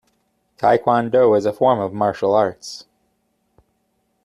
Taekwondo is a form of martial arts.